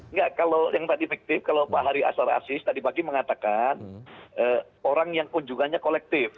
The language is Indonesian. enggak kalau yang tadi fiktif kalau pak hari asar asis tadi pagi mengatakan orang yang kunjungannya kolektif